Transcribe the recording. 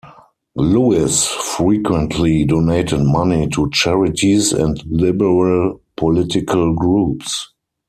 Lewis frequently donated money to charities and liberal political groups.